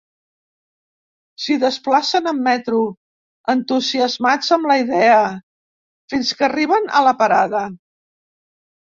S'hi desplacen en metro, entusiasmats amb la idea, fins que arriben a la parada.